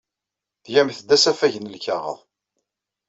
Tgamt-d asafag n lkaɣeḍ.